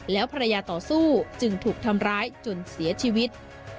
แล้วภรรยาต่อสู้จึงถูกทำร้ายจนเสียชีวิต